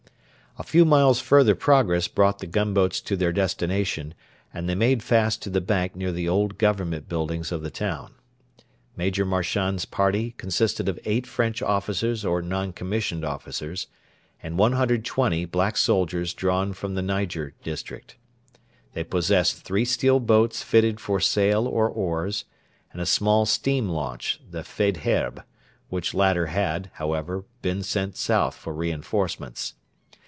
A few miles' further progress brought the gunboats to their destination, and they made fast to the bank near the old Government buildings of the town. Major Marchand's party consisted of eight French officers or non commissioned officers, and 120 black soldiers drawn from the Niger district. They possessed three steel boats fitted for sail or oars, and a small steam launch, the Faidherbe, which latter had, however, been sent south for reinforcements.